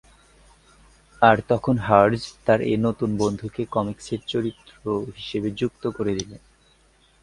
আর তখন হার্জ তার এ নতুন বন্ধুকে কমিকসের চরিত্র হিসেবে যুক্ত করেদিলেন।